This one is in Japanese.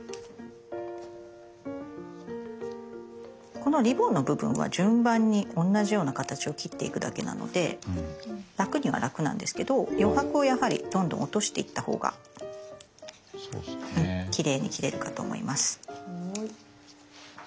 このリボンの部分は順番に同じような形を切っていくだけなので楽には楽なんですけど余白をやはりどんどん落としていったほうがきれいに切れるかと思います。